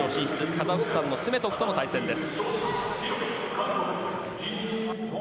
カザフスタンのスメトフとの対戦です。